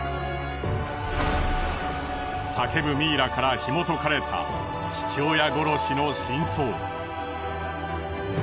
叫ぶミイラからひも解かれた父親殺しの真相。